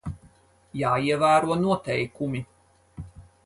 Jāievēro noteikumi.